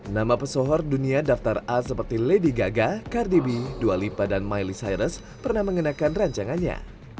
nama pesohor dunia daftar a seperti lady gaga kardibi dua lipa dan miley cyrus pernah mengenakan rancangannya